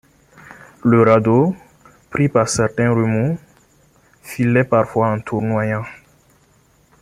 Le radeau, pris par certains remous, filait parfois en tournoyant.